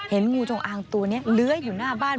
งูจงอางตัวนี้เลื้อยอยู่หน้าบ้าน